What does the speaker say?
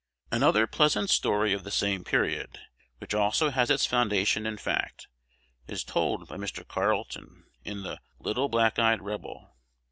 Another pleasant story of the same period, which also has its foundation in fact, is told by Mr. Carleton in "The Little Black Eyed Rebel."